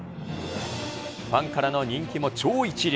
ファンからの人気も超一流。